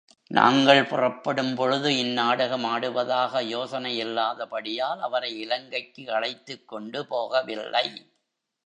நாங்கள் புறப்படும் பொழுது இந்நாடகம் ஆடுவதாக யோசனையில்லாதபடியால், அவரை இலங்கைக்கு அழைத்துக் கொண்டு போகவில்லை.